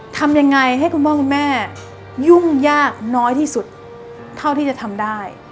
ทำยังไงให้คุณพ่อคุณแม่ยุ่งยากน้อยที่สุดเท่าที่จะทำได้